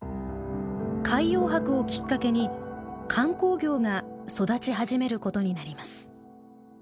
海洋博をきっかけに観光業が育ち始めることになります。